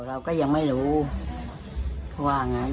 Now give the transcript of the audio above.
หลังจากนั้นไม่มีสอบบอกและไม่ได้เรียนต้น